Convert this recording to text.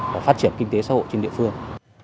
và phát triển kinh tế xã hội trên địa phương